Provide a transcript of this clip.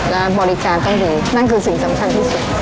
และบริการต้องดีนั่นคือสิ่งสำคัญที่สุด